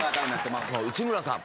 内村さん